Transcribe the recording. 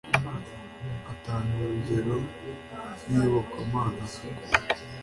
atanga urugero rw'iyobokamana, kuko